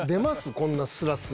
こんなスラスラ。